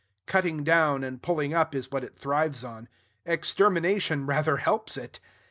Cutting down and pulling up is what it thrives on. Extermination rather helps it.